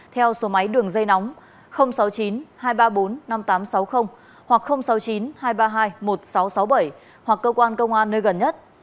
theo số máy đường dây nóng sáu mươi chín hai trăm ba mươi bốn năm nghìn tám trăm sáu mươi hoặc sáu mươi chín hai trăm ba mươi hai một nghìn sáu trăm sáu mươi bảy hoặc cơ quan công an nơi gần nhất